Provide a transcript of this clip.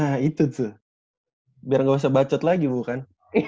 nah itu tuh biar nggak usah bacot lagi bu kan